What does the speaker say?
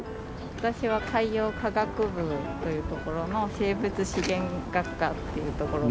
私は海洋科学部というところの生物資源学科というところ。